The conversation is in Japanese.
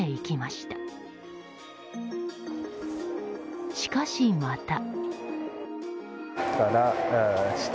しかし、また。